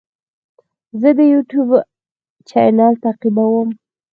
زه د یوټیوب چینل تعقیبوم.